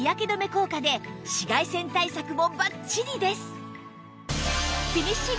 効果で紫外線対策もバッチリです！